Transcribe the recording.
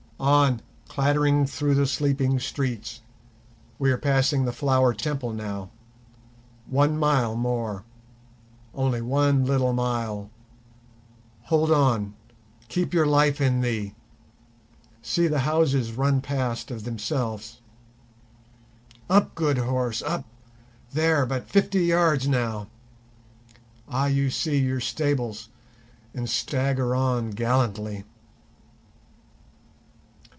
On, clattering through the sleeping streets. We are passing the Flower Temple now—one mile more, only one little mile—hold on, keep your life in thee, see the houses run past of themselves. Up, good horse, up, there—but fifty yards now. Ah! you see your stables and stagger on gallantly.